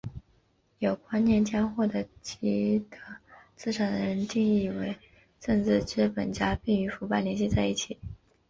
有观念将获得既得资产的人定义为政治资本家并与腐败联系在一起。